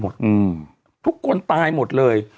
แต่ทุกคนตายหมด